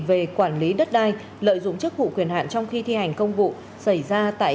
và từ khâu làm tốt công tác